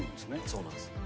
そうなんです。